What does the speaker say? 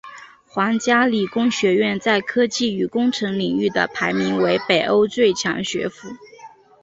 皇家理工学院在科技与工程领域的排名为北欧最强学府。